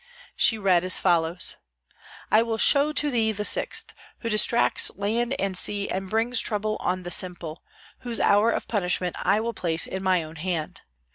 She read as follows: "I will show to thee the sixth, who distracts land and sea and brings trouble on the simple; whose hour of punishment I will place in my own hand.